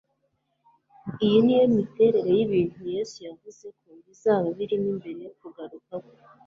iyi ni yo miterere y'ibintu yesu yavuze ko bizaba biriho mbere yo kugaruka kwe